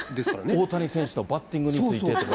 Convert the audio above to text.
大谷選手のバッティングについてとか。